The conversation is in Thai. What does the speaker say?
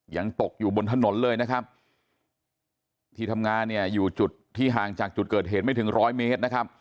ยังตกอยู่บนถนนเลยนะครับที่ทำงานเนี่ยอยู่จุดที่ห่างจากจุดเกิดเหตุไม่ถึงร้อยเมตรนะครับ